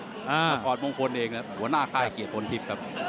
มาถอดมงคลเองนะหัวหน้าค่ายเกียรติพลทิพย์ครับ